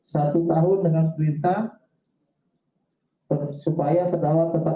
satu tahun dengan berita supaya terdakwa tetap ditahan